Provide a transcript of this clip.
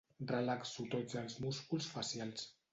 Relaxo tots els músculs facials.